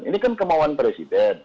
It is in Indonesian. ini kan kemauan presiden